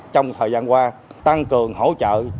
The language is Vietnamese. trong thời gian qua tăng cường hỗ trợ